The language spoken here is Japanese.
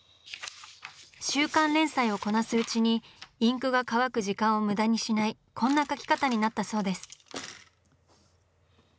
週刊連載をこなすうちにインクが乾く時間を無駄にしないこんな描き方になったそうです。